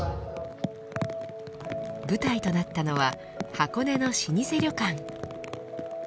舞台となったのは箱根の老舗旅館。